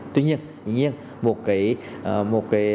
tuy nhiên một cái